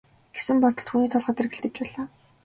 гэсэн бодол түүний толгойд эргэлдэж байлаа.